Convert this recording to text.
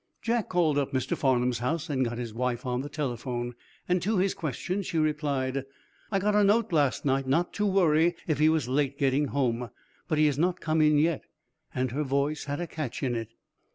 Jack called up Mr. Farnum's house and got his wife on the telephone. To his question she replied: "I got a note last night not to worry if he was late getting home. But he has not come in yet," and her voice had a catch in it.